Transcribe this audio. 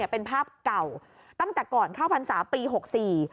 เป็นภาพเก่าตั้งแต่ก่อนเท่าพันศาสตร์ปี๖๔